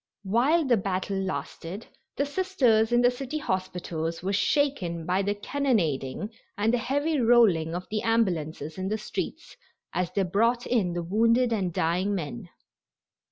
While the battle lasted the Sisters in the city hospitals were shaken by the cannonading and the heavy rolling of the ambulances in the streets as they brought in the wounded and dying men.